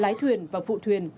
lái thuyền và phụ thuyền